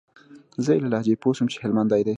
زه يې له لهجې پوه سوم چې هلمندى دى.